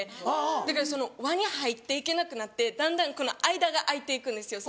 だからその輪に入っていけなくなってだんだん間が空いていくんですよ。